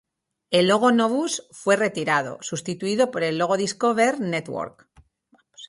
El logo Novus fue retirado, sustituido por el logo Discover Network.